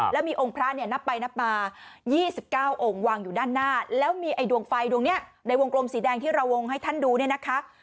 แล้วมีองค์พระเนี่ยนับไปนับมา๒๙องค์วางอยู่ด้านหน้าแล้วมีไอ้ดวงไฟดวงนี้ในวงกลมสีแดงที่เราวงให้ท่านดูเนี่ยนะคะ